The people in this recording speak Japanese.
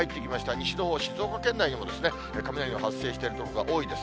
西のほう、静岡方面でも雷が発生している所が多いです。